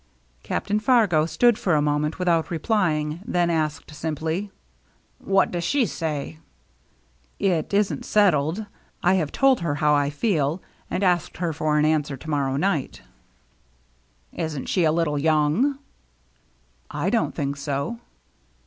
Captain Fargo stood for a moment without replying, then asked simply, "What does she say ?"" It isn't settled ; I have told her how I feel, and asked her for an answer to morrow night." 1 82 THE MERRY ANNE " Isn't she a little young ?"" I don't think so."